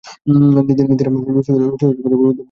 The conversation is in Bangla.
সীতারাম রসিকতা করিবার উদ্যোগ করিল।